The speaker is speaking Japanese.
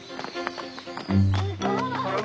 すごい！